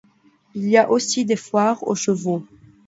Il y a aussi des foires aux chevaux.